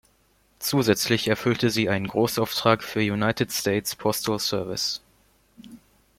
Zusätzlich erfüllte sie einen Großauftrag für United States Postal Service.